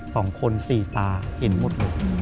สองคนสี่ตาเห็นหมดเลย